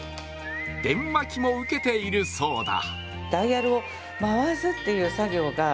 電話機もウケているそうだ。